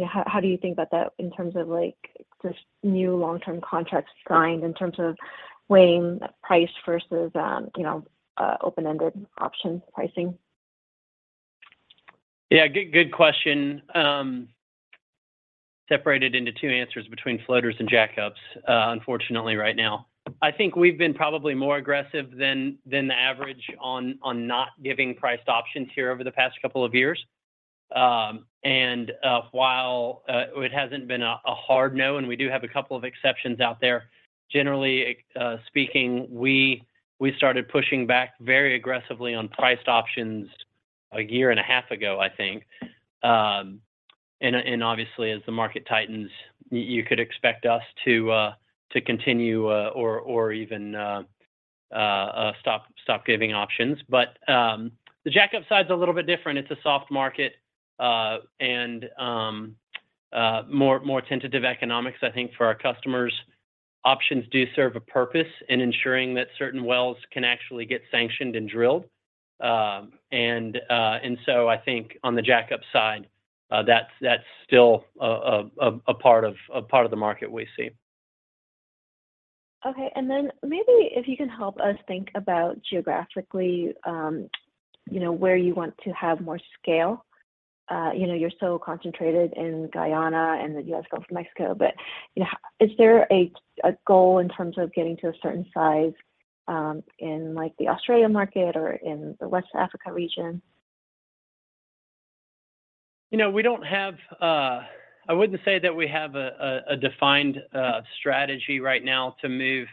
know, how do you think about that in terms of, like, just new long-term contracts signed in terms of weighing price vs, you know, open-ended option pricing? Yeah, good question. Separated into two answers between floaters and jackups, unfortunately right now. I think we've been probably more aggressive than the average on not giving priced options here over the past two years. While it hasn't been a hard no, and we do have two exceptions out there, generally speaking, we started pushing back very aggressively on priced options a year and a half ago, I think. Obviously as the market tightens, you could expect us to continue, or even stop giving options. The Jackup side's a little bit different. It's a soft market, and more tentative economics, I think, for our customers. Options do serve a purpose in ensuring that certain wells can actually get sanctioned and drilled. I think on the Jackup side, that's still a part of the market we see. Okay. Maybe if you can help us think about geographically, you know, where you want to have more scale. You know, you're so concentrated in Guyana and the U.S. Gulf of Mexico, you know, is there a goal in terms of getting to a certain size, in like the Australia market or in the West Africa region? You know, we don't have, I wouldn't say that we have a defined strategy right now to move.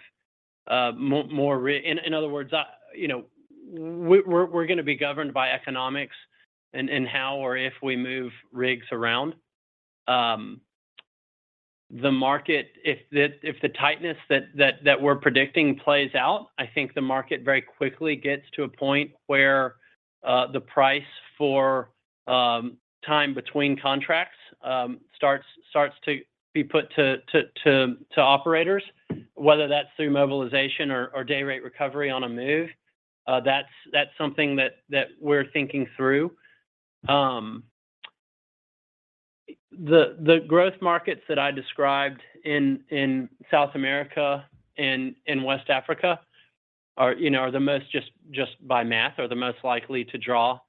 In other words, you know, we're gonna be governed by economics in how or if we move rigs around. The market, if the tightness that we're predicting plays out, I think the market very quickly gets to a point where the price for time between contracts starts to be put to operators, whether that's through mobilization or day rate recovery on a move. That's something that we're thinking through. The growth markets that I described in South America and in West Africa are, you know, are the most, just by math, are the most likely to draw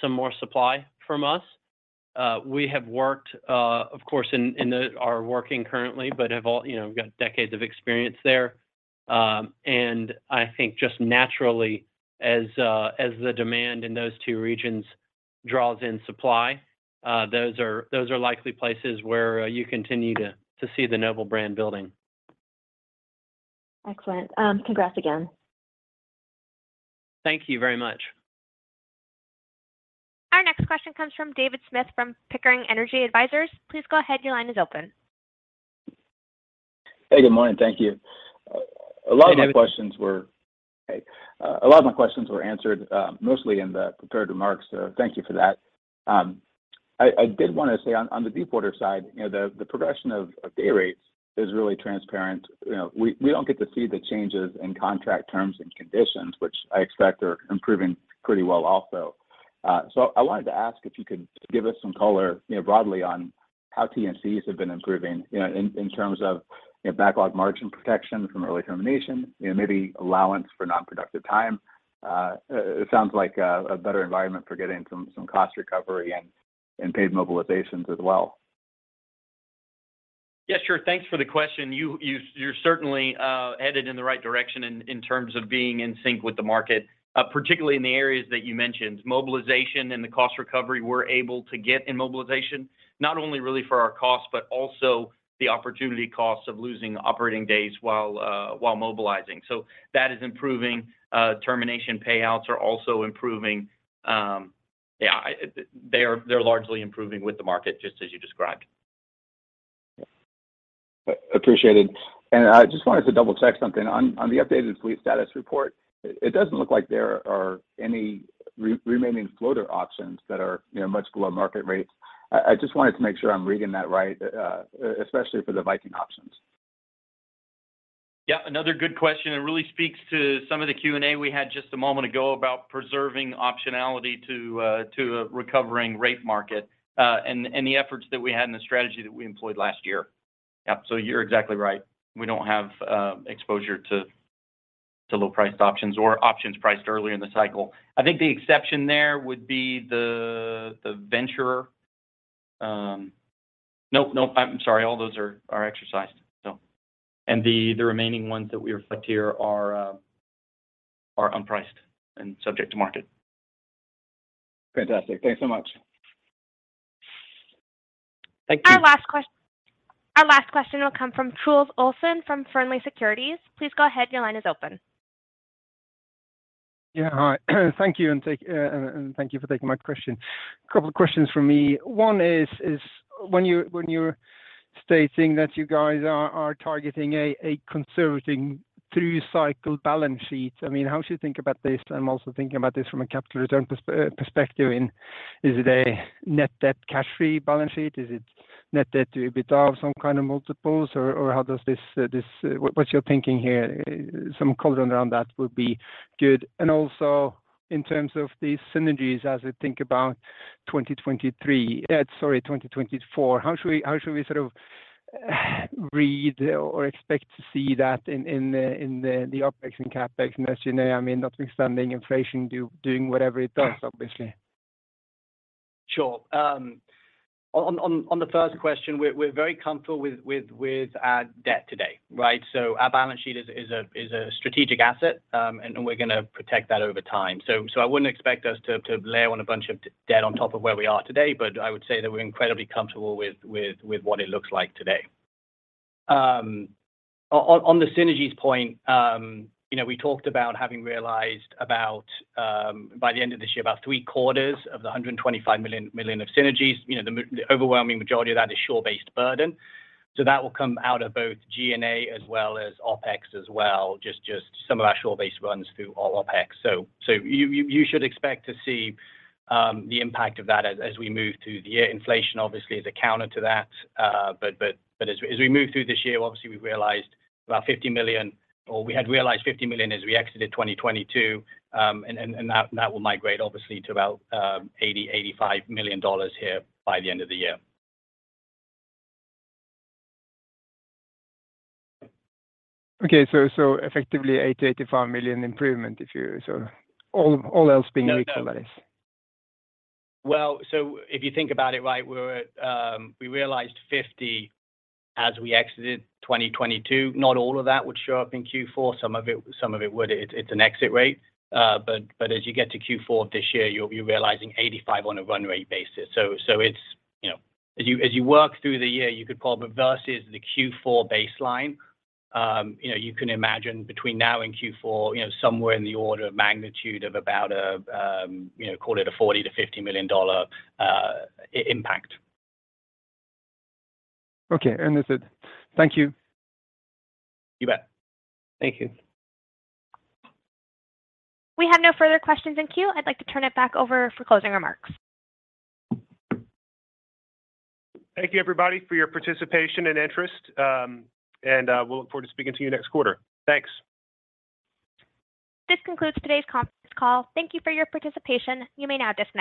some more supply from us. We have worked, of course in the... are working currently, but have all, you know, got decades of experience there. I think just naturally as the demand in those two regions draws in supply, those are, those are likely places where you continue to see the Noble brand building. Excellent. Congrats again. Thank you very much. Our next question comes from David Smith from Pickering Energy Partners. Please go ahead. Your line is open. Hey, good morning. Thank you. Hey, David. A lot of my questions were answered, mostly in the prepared remarks, so thank you for that. I did wanna say on the Depwater side, you know, the progression of day rates is really transparent. You know, we don't get to see the changes in contract terms and conditions, which I expect are improving pretty well also. I wanted to ask if you could just give us some color, you know, broadly on how T&Cs have been improving, you know, in terms of, you know, backlog margin protection from early termination, you know, maybe allowance for non-productive time. It sounds like a better environment for getting some cost recovery and paid mobilizations as well. Yeah, sure. Thanks for the question. You're certainly headed in the right direction in terms of being in sync with the market, particularly in the areas that you mentioned. Mobilization and the cost recovery, we're able to get in mobilization not only really for our cost, but also the opportunity cost of losing operating days while mobilizing. That is improving. Termination payouts are also improving. Yeah, they are, they're largely improving with the market just as you described. Appreciated. I just wanted to double-check something. On the updated fleet status report, it doesn't look like there are any remaining floater options that are, you know, much below market rates. I just wanted to make sure I'm reading that right, especially for the Noble Viking options. Yeah, another good question. It really speaks to some of the Q&A we had just a moment ago about preserving optionality to a recovering rate market, and the efforts that we had and the strategy that we employed last year. Yeah. You're exactly right. We don't have, exposure to low-priced options or options priced earlier in the cycle. I think the exception there would be the Venturer. Nope, I'm sorry. All those are exercised, so. The, the remaining ones that we reflect here are unpriced and subject to market. Fantastic. Thanks so much. Thank you. Our last question will come from Truls Olsen from Fearnley Securities. Please go ahead. Your line is open. Yeah. Hi. Thank you, and thank you for taking my question. A couple of questions from me. One is when you're stating that you guys are targeting a conserving through cycle balance sheet, I mean, how should you think about this? I'm also thinking about this from a capital return perspective in is it a net debt cash free balance sheet? Is it net debt to EBITDA of some kind of multiples, or how does this... What's your thinking here? Some color around that would be good. Also in terms of these synergies, as we think about 2023. Sorry, 2024. How should we sort of read or expect to see that in the OpEx and CapEx in S&A? I mean, notwithstanding inflation doing whatever it does, obviously. Sure. On the first question, we're very comfortable with our debt today, right? Our balance sheet is a strategic asset, and we're gonna protect that over time. I wouldn't expect us to layer on a bunch of debt on top of where we are today, but I would say that we're incredibly comfortable with what it looks like today. On the synergies point, you know, we talked about having realized about by the end of this year, about three-quarters of the $125 million of synergies. You know, the overwhelming majority of that is shore-based burden. That will come out of both G&A as well as OpEx as well, just some of our shore-based runs through our OpEx. You should expect to see the impact of that as we move through the year. Inflation obviously is a counter to that. As we move through this year, obviously we've realized about $50 million, or we had realized $50 million as we exited 2022. That will migrate obviously to about $80 million-$85 million here by the end of the year. Effectively $80 million-$85 million improvement. All else being equal, that is. Well, if you think about it, right, we're at. We realized $50 milion as we exited 2022. Not all of that would show up in Q4. Some of it would. It's an exit rate. As you get to Q4 of this year, you'll be realizing $85 million on a run rate basis. It's, you know. As you work through the year, you could call vs the Q4 baseline. you know, you can imagine between now and Q4, you know, somewhere in the order of magnitude of about a, you know, call it a $40 million-$50 million impact. Okay. That's it. Thank you. You bet. Thank you. We have no further questions in queue. I'd like to turn it back over for closing remarks. Thank you, everybody, for your participation and interest. We'll look forward to speaking to you next quarter. Thanks. This concludes today's conference call. Thank you for your participation. You may now disconnect.